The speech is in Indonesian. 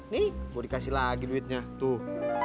nih mau dikasih lagi duitnya tuh